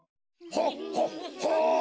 ほっほっほ！